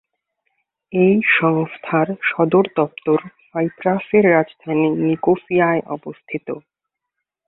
এই সংস্থার সদর দপ্তর সাইপ্রাসের রাজধানী নিকোসিয়ায় অবস্থিত।